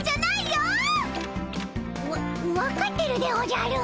わ分かってるでおじゃる。